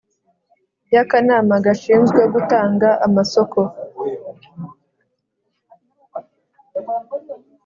Y akanama gashinzwe gutanga amasoko